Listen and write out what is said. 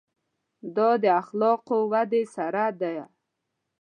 دا د اخلاقو ودې سره ده.